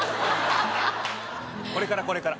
これからこれから。